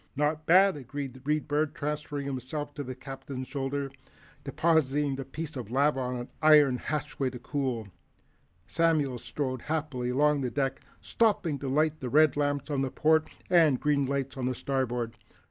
"Not bad," agreed the Read Bird, transferring himself to the Captain's shoulder. Depositing the piece of lava on an iron hatchway to cool, Samuel strode happily along the deck, stopping to light the red lamps on the port and the green lights on the starboard.